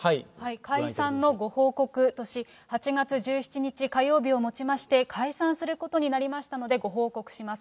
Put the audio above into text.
解散のご報告とし、８月１７日火曜日をもちまして、解散することになりましたので、ご報告します。